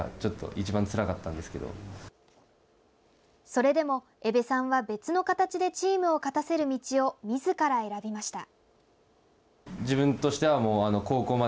それでも、江部さんは別の形でチームを勝たせる道をみずから選びました。